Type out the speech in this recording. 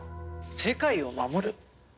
世界を守る？